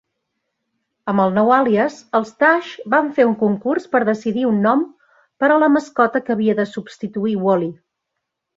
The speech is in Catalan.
Amb el nou àlies, els Dash van fer un concurs per decidir un nom per a la mascota que havia de substituir Wally.